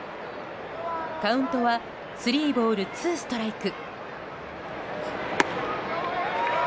カウントはスリーボール、ツーストライク。